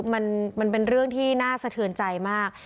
มันเป็นเรื่องที่น่าสะเทือนใจมาก